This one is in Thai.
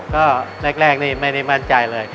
ก็แรกนี่ไม่ได้มั่นใจเลย